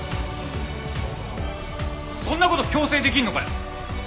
そんな事強制できんのかよ！？